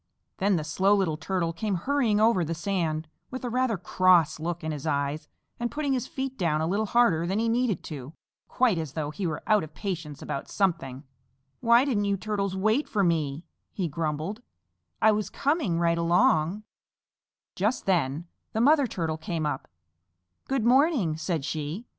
Then the Slow Little Turtle came hurrying over the sand with a rather cross look in his eyes and putting his feet down a little harder than he needed to quite as though he were out of patience about something. "Why didn't you Turtles wait for me?" he grumbled. "I was coming right along." [Illustration: "GOOD MORNING," SAID SHE. "I BELIEVE YOU ARE MY CHILDREN?" Page 85] Just then the Mother Turtle came up. "Good morning," said she.